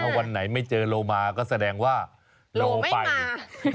วันไหนไม่เจอโลมาก็แสดงว่าโลไป